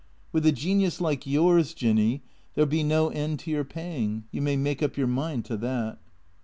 With a genius like yours, Jinny, there '11 be no end to your paying. You may make up your mind to that."